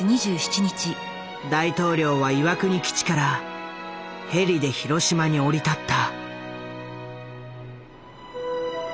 大統領は岩国基地からヘリで広島に降り立った。